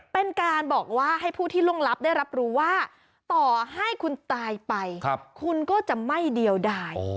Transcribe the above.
เป็นการบอกว่าให้ผู้ที่ล่วงลับได้รับรู้ว่าต่อให้คุณตายไปคุณก็จะไม่เดียวได้